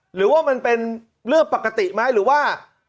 หรือว่ามันเป็นเรื่องปกติไหมหรือว่า